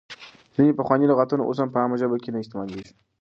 ځینې پخواني لغاتونه اوس په عامه ژبه کې نه استعمالېږي.